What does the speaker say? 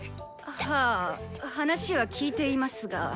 はぁ話は聞いていますが。